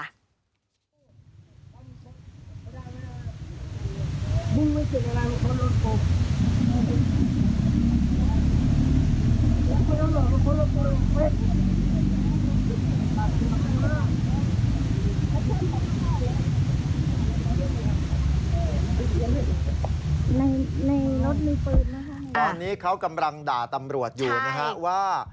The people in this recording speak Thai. ตอนนี้เขากำลังด่าตำรวจอยู่นะครับว่า